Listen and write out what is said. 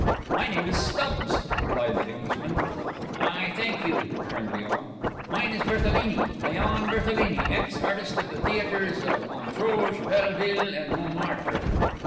"My name is Stubbs," replied the Englishman. "I thank you," returned Léon. "Mine is Berthelini—Léon Berthelini, ex artist of the theatres of Montrouge, Belleville, and Montmartre.